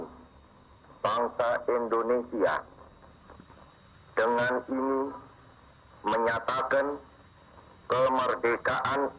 kita sekalian allah wabarakatuh wabarakatuh wabarakatuh berdekat proklamasi kami bangsa